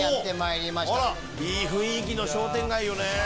いい雰囲気の商店街よね。